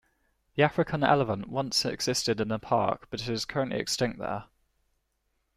The African elephant once existed in the park but is currently extinct there.